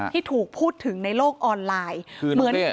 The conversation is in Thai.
ที่ถูกพูดถึงในโลกออนไลน์